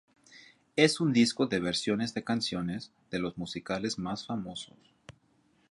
Es un disco de versiones de canciones de los musicales más famosos.